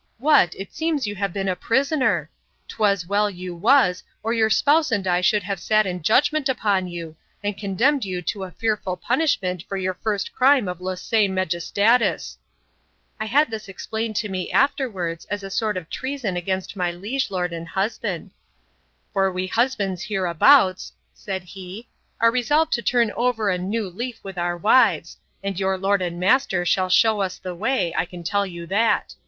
What, it seems you have been a prisoner! 'Twas well you was, or your spouse and I should have sat in judgment upon you, and condemned you to a fearful punishment for your first crime of laesae majestatis: (I had this explained to me afterwards, as a sort of treason against my liege lord and husband:) for we husbands hereabouts, said he, are resolved to turn over a new leaf with our wives, and your lord and master shall shew us the way, I can tell you that.